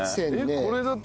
これだと。